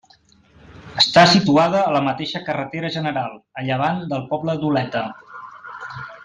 Està situada a la mateixa carretera general, a llevant del poble d'Oleta.